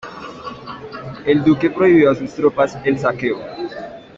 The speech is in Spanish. El duque prohibió a sus tropas el saqueo.